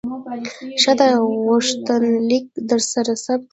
ښه ده، غوښتنلیک درسره ثبت کړه.